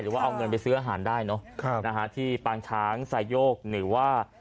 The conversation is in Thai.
ว่าเอาเงินไปซื้ออาหารได้เนอะนะฮะที่ปางช้างไซโยกหรือว่า